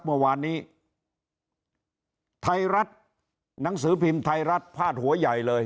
เมื่อวานนี้ไทยรัฐหนังสือพิมพ์ไทยรัฐพาดหัวใหญ่เลย